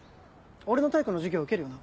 俺の体育の授業受けるよな？